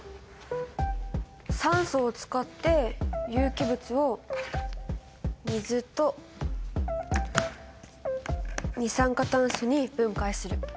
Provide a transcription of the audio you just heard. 酸素を使って有機物を水と二酸化炭素に分解する。